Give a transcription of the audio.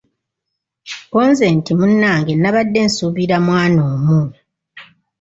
Kko nze nti munnange nabadde nsuubira mwana omu.